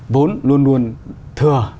vốn luôn luôn thừa